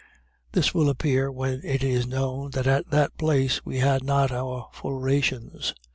This will appear, when it is known that at that place we had not our full rations.